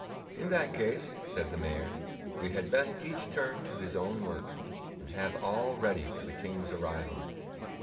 'In that case,' said the Mayor, 'we had best each turn to his own work, and have all ready for the King's arrival.